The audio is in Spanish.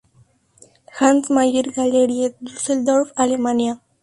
Hans Mayer Galerie, Düsseldorf, Alemania.